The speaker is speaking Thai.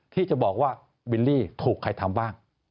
ที่จะบอกว่าบิลลี่ถูกใครทำบ้าง